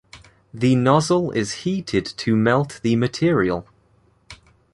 The nozzle is heated to melt the material.